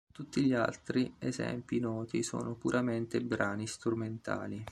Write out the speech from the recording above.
Tutti gli altri esempi noti sono puramente brani strumentali.